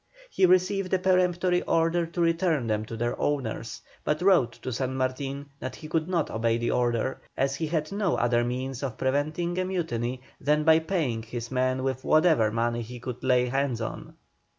He received a peremptory order to return them to their owners, but wrote to San Martin that he could not obey the order, as he had no other means of preventing a mutiny, than by paying his men with whatever money he could lay hands on.